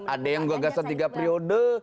ada yang gua gasa tiga periode